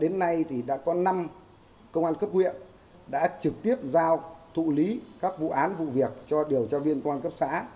đến nay thì đã có năm công an cấp huyện đã trực tiếp giao thụ lý các vụ án vụ việc cho điều tra viên công an cấp xã